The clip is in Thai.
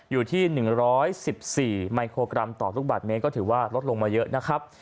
อยู่ที่๑๑๔ไมโครกรัมต่อลูกบาทเมตรก็ถือว่าลดลงมาเยอะนะครับ